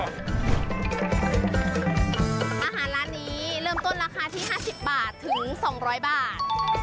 อาหารร้านนี้เริ่มต้นราคาที่๕๐บาทถึง๒๐๐บาท